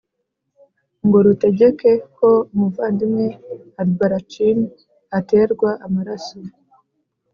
ngo rutegeke ko umuvandimwe Albarracini aterwa amaraso